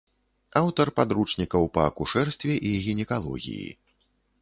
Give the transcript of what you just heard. Аўтар падручнікаў па акушэрстве і гінекалогіі.